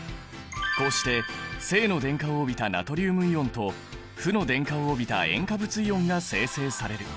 こうして正の電荷を帯びたナトリウムイオンと負の電荷を帯びた塩化物イオンが生成される。